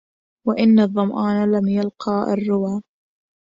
وإذا الظمآن لم يلق الروا